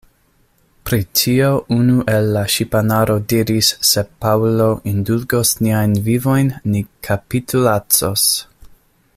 Pri tio, unu el la ŝipanaro diris, Se Paŭlo indulgos niajn vivojn, ni kapitulacos.